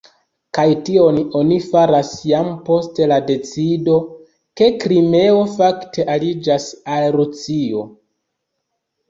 Kaj tion oni faras jam post la decido, ke Krimeo fakte aliĝas al Rusio.